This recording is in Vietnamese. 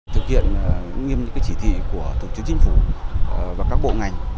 thực hiện nghiêm những chỉ thị của thủ tướng chính phủ và các bộ ngành